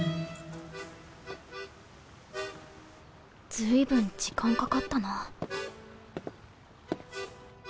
随分時間かかったな